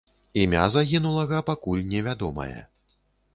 Імя загінулага пакуль невядомае.